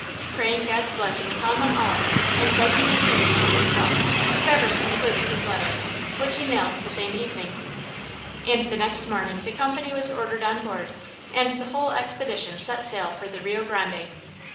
Praying God's blessing upon them all, and begging their prayers for himself, Traverse concluded his letter, which he mailed the same evening. And the next morning the company was ordered on board and the whole expedition set sail for the Rio Grande.